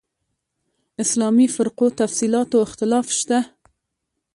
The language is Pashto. اسلامي فرقو تفصیلاتو اختلاف شته.